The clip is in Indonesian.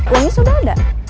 umi sudah ada